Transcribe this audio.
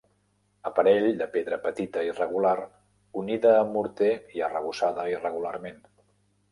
Aparell de pedra petita irregular unida amb morter i arrebossada irregularment.